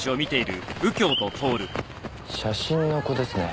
写真の子ですね。